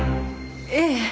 ええ。